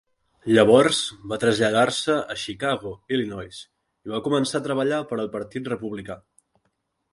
Llavors va traslladar-se a Chicago, Illinois i va començar a treballar per al Partit Republicà.